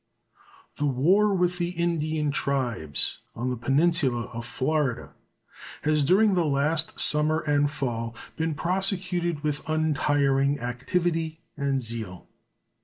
The war with the Indian tribes on the peninsula of Florida has during the last summer and fall been prosecuted with untiring activity and zeal.